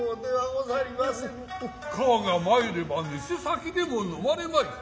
川が参れば店先でも飲まれまい。